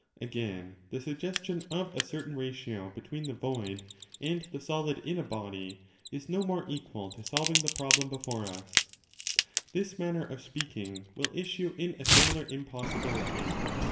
Again, the suggestion of a certain ratio between the void and the solid in a body is no more equal to solving the problem io before us, This manner of speaking will issue in a similar impossibility.